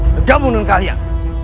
pegang bunuh kalian